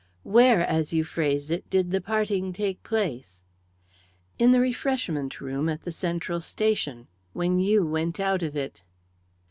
"Where, as you phrase it, did the parting take place?" "In the refreshment room at the Central Station when you went out of it."